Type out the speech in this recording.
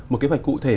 một kế hoạch cụ thể